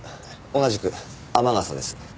同じく天笠です。